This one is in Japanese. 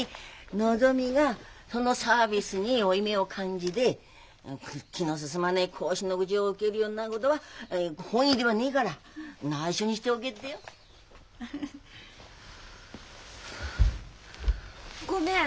のぞみがそのサービスに負い目を感じて気の進まねえ講師の口を受けるようになることは本意ではねえからないしょにしておけってよ。ごめん。